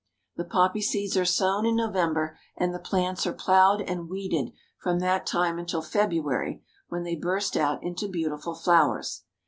The poppy seeds are sown in November, and the plants are plowed and weeded from that time until February, when they burst out into beautiful flowers.